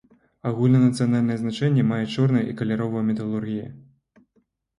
Агульнанацыянальнае значэнне мае чорная і каляровая металургія.